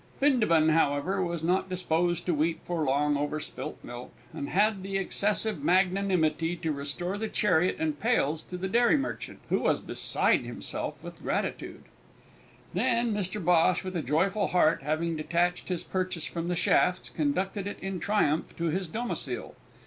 Bindabun, however, was not disposed to weep for long over spilt milk, and had the excessive magnanimity to restore the chariot and pails to the dairy merchant, who was beside himself with gratitude. Then, Mr Bhosh, with a joyful heart, having detached his purchase from the shafts, conducted it in triumph to his domicile.